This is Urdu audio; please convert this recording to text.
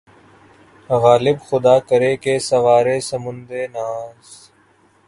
غالبؔ! خدا کرے کہ‘ سوارِ سمندِ ناز